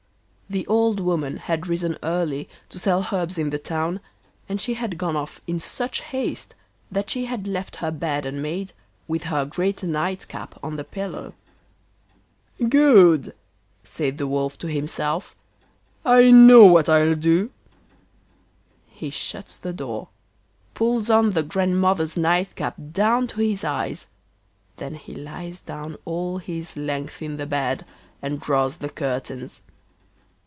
The old woman had risen early to sell herbs in the town, and she had gone off in such haste that she had left her bed unmade, with her great night cap on the pillow. 'Good!' said the Wolf to himself, 'I know what I'll do.' He shuts the door, pulls on the Grandmother's night cap down to his eyes, then he lies down all his length in the bed and draws the curtains.